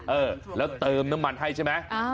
เออแล้วเติมน้ำมันให้ใช่ไหม